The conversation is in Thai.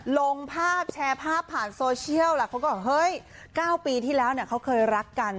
ลงภาพแชร์ภาพผ่านโซเชียลเขาก็บอกเฮ้ย๙ปีที่แล้วเขาเคยรักกัน